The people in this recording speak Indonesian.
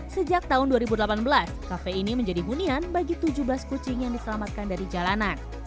sejak tahun dua ribu delapan belas kafe ini menjadi hunian bagi tujuh belas kucing yang diselamatkan dari jalanan